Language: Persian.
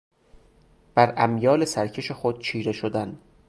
بر امیال سرکش خود چیره شدن.